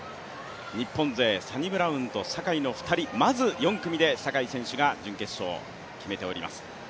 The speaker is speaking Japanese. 日本勢サニブラウンと坂井の２人まず、４組で坂井選手が準決勝決めております。